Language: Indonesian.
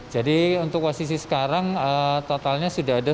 jadi untuk posisi sekarang totalnya sudah ada